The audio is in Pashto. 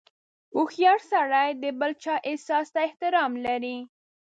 • هوښیار سړی د بل چا احساس ته احترام لري.